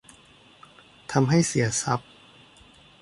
ทำให้เสียทรัพย์